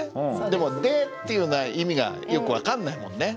でも「で」っていうのは意味がよく分かんないもんね。